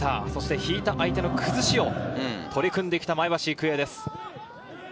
引いた相手の崩しを取り組んできた前橋育英です。